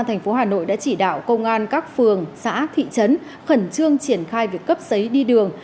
tp hcm đã chỉ đạo công an các phường xã thị trấn khẩn trương triển khai việc cấp giấy đi đường